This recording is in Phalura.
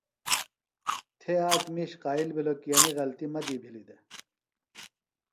تھے آک مِیش قائل بِھلوۡ کی انیۡ غلطیۡ مہ دی بِھلیۡ دےۡ۔